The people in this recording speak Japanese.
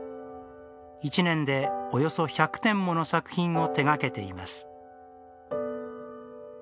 １年で、およそ１００点もの作品を手がけています。